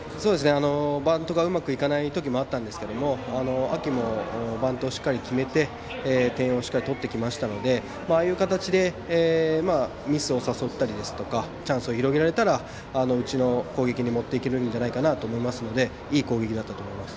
バントうまくいかないときもあったんですけど秋もバントをしっかり決めて点をしっかり取ってきましたのでああいう形でミスを誘ったりチャンスを広げられたらうちの攻撃に持っていけると思いますのでいい攻撃だったと思います。